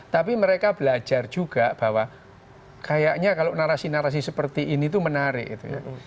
tapi mereka belajar juga bahwa kayaknya kalau narasi narasi seperti ini itu menarik gitu ya